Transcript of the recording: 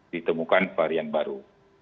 ditemukan varian baru